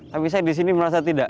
tapi saya di sini merasa tidak